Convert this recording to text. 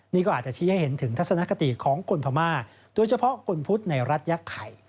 นี่ก็อาจจะชี้ให้เห็นถึงทัศนคติของคนพม่าโดยเฉพาะคนพุทธในรัฐยักษ์ไข่